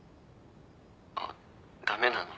あっ駄目なの？